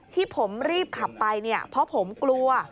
ที่ผมรีบขับไปเพราะผมกลัว